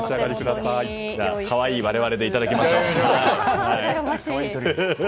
可愛い我々でいただきましょう。